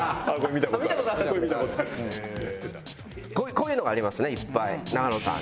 こういうのがありますねいっぱい永野さん